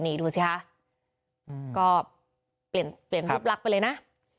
นี่ดูซิฮะก็เปลี่ยนรูปลักษณ์ไปเลยนะ